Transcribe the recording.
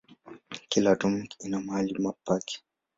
Kila atomu ina mahali pake.